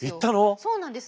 そうなんです。